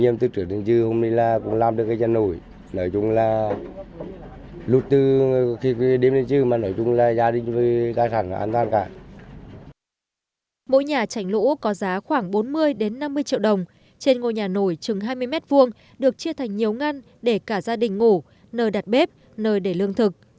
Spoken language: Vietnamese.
mỗi nhà tránh lũ có giá khoảng bốn mươi đến năm mươi triệu đồng trên ngôi nhà nổi chừng hai mươi mét vuông được chia thành nhiều ngăn để cả gia đình ngủ nơi đặt bếp nơi để lương thực